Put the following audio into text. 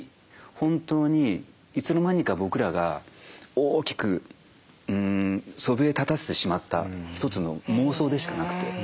本当にいつの間にか僕らが大きくそびえ立たせてしまった一つの妄想でしかなくて。